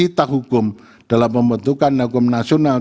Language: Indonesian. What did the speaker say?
pembentukan cita hukum dalam pembentukan hukum nasional